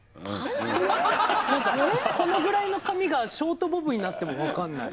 なんか、このぐらいの髪がショートボブになっても分かんない。